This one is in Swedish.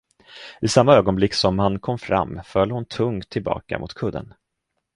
I samma ögonblick, som han kom fram, föll hon tungt tillbaka mot kudden.